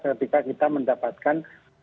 ketika kita mendapatkan